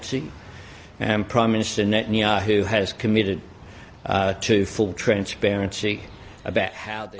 dan pemerintah netanyahu telah berkomitmen untuk penyelidikan